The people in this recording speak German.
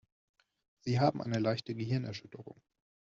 Sie haben eine leichte Gehirnerschütterung.